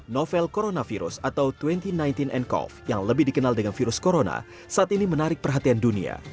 novel coronavirus atau dua ribu sembilan belas ncov yang lebih dikenal dengan virus corona saat ini menarik perhatian dunia